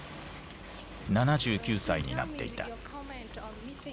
７９歳になっていた。